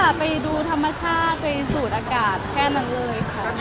ไปดูธรรมชาติไปสูดอากาศแค่นั้นเลยค่ะ